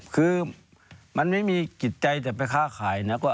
คือมันไม่มีกิจใจจะไปฆ่าขาย